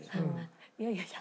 いやいやいや。